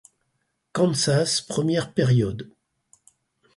Kansas première période.